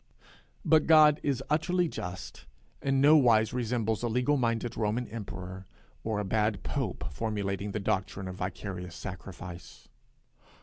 But God is utterly just, and nowise resembles a legal minded Roman emperor, or a bad pope formulating the doctrine of vicarious sacrifice.